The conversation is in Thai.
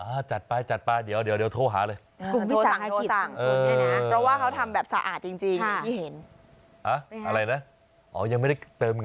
อ่าจัดไปจัดไปเดี๋ยวโทรหาเลยโทรสั่งโทรสั่งเพราะว่าเขาทำแบบสะอาดจริงอย่างที่เห็น